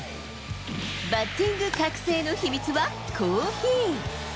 バッティング覚醒の秘密は、コーヒー。